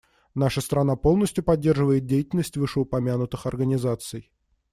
Наша страна полностью поддерживает деятельность вышеупомянутых организаций.